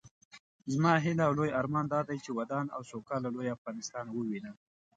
زما هيله او لوئ ارمان دادی چې ودان او سوکاله لوئ افغانستان ووينم